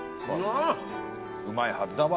うまいはずだわ。